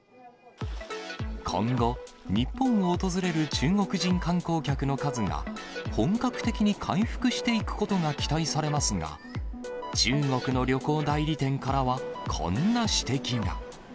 今後、日本を訪れる中国人観光客の数が本格的に回復していくことが期待されますが、中国の旅行代理店からは、こんな指摘が。